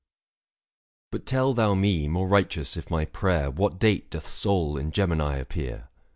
" But tell thou me, more righteous if my prayer, What date doth Sol in Gemini appear